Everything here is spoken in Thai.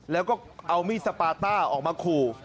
แล้วก็เอามีดสปาต้าออกมาขู่